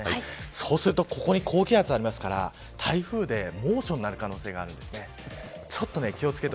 そうするとここに高気圧があるので台風で猛暑になる可能性があります。